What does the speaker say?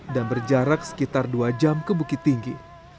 dan berjarak sekitar dua jam ke bukit tinggi